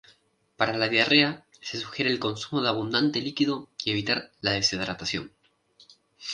Para la diarrea se sugiere el consumo de abundante líquido y evitar la deshidratación.